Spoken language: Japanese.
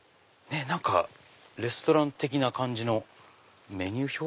何かレストラン的な感じのメニュー表？